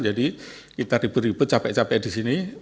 jadi kita ribut ribut capek capek di sini